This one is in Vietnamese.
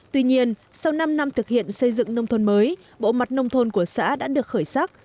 tuy nhiên sau năm năm thực hiện xây dựng nông thôn mới bộ mặt nông thôn của xã đã được khởi sắc